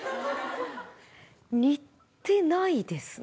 似てないですね。